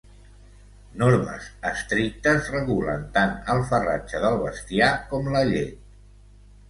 Normes estrictes regulen tant el farratge del bestiar com la llet.